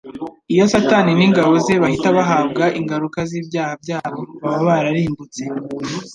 Iyo Satani n'ingabo ze bahita bahabwa ingaruka z'ibyaha byabo, baba bararimbutse;